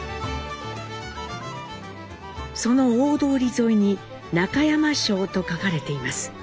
その大通り沿いに「中山商」と書かれています。